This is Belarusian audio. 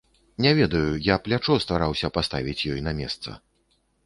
Не ведаю, я плячо стараўся паставіць ёй на месца.